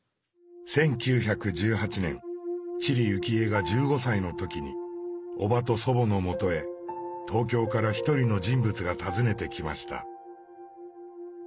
１９１８年知里幸恵が１５歳の時に伯母と祖母のもとへ東京から一人の人物が訪ねてきました。